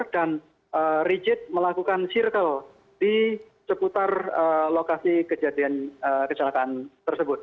dan rigid melakukan circle di seputar lokasi kejadian kecelakaan tersebut